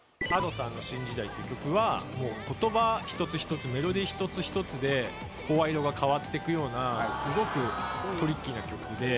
Ａｄｏさんの『新時代』っていう曲は言葉１つ１つメロディー１つ１つで声色が変わっていくようなすごくトリッキーな曲で。